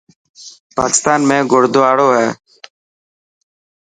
پاڪستان ۾ گڙدواڙو هي.